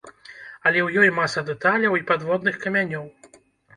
Але ў ёй маса дэталяў і падводных камянёў.